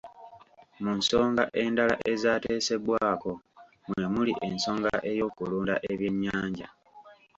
Mu nsonga endala ezaateesebbwako mwe muli ensonga ey'okulunda eby'enyanja.